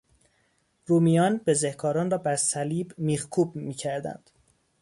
رومیان بزهکاران را بر صلیب میخکوب میکردند.